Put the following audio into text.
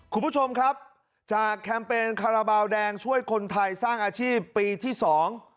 คุณผู้ชมครับจากแคมเปญคาราบาลแดงช่วยคนไทยสร้างอาชีพปีที่สอง